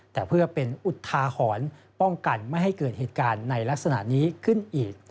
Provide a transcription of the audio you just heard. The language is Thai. แต่เพื่อเป็นอุทาหรณ์ป้องกันไม่ให้เกิดเหตุการณ์ในลักษณะนี้ขึ้นอีก